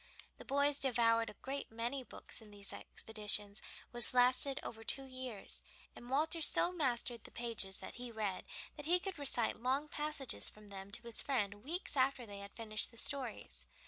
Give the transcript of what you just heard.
The boys devoured a great many books in these expeditions, which lasted over two years, and Walter so mastered the pages that he read that he could recite long passages from them to his friend weeks after they had finished the stories.